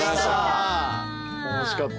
楽しかった。